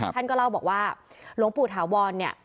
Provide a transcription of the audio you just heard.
ท่านก็เล่าบอกว่าหลวงปู่ถาวรเนี่ย